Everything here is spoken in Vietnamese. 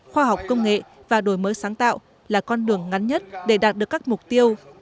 khoa học công nghệ và đổi mới sáng tạo là con đường ngắn nhất để đạt được các mục tiêu